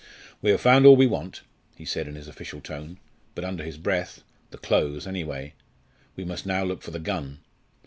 "We have found all we want," he said in his official tone, but under his breath "the clothes anyway. We must now look for the gun.